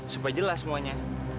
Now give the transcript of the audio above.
supaya jelas semuanya